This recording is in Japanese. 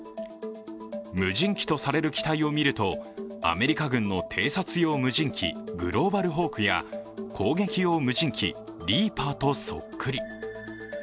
無人機とされる機体を見るとアメリカ軍の偵察用無人機グローバルホークや攻撃用無人機リーパーとそっくり。